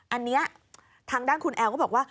อันนี้ทางด้านคุณแอลก็บอกว่า